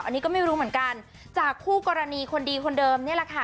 อันนี้ก็ไม่รู้เหมือนกันจากคู่กรณีคนดีคนเดิมนี่แหละค่ะ